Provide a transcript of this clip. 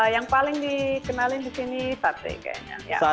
yang paling dikenali di sini sate kayaknya